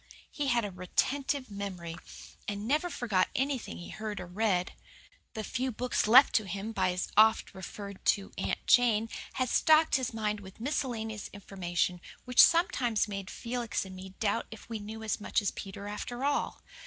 He had a retentive memory, and never forgot anything he heard or read. The few books left to him by his oft referred to Aunt Jane had stocked his mind with a miscellaneous information which sometimes made Felix and me doubt if we knew as much as Peter after all.